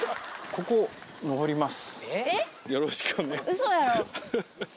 ここ登ります。